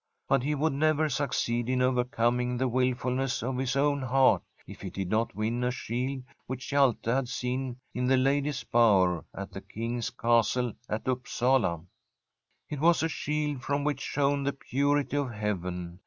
But he would never succeed in overcoming the wilfulness of his own heart if he did not win a shield which Hjalte had seen in the Ladies' Bower at the King's Castle at Upsala. It was a shield from which shone the purity of heaven.